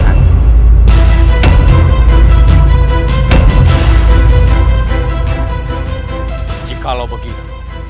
ketika lo begitu